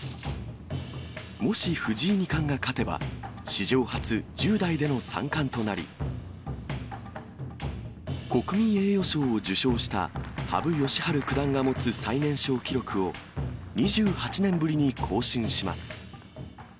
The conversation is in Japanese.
もし藤井二冠が勝てば、史上初、１０代での三冠となり、国民栄誉賞を受賞した羽生善治九段が持つ最年少記録を、２８年ぶりに更新します。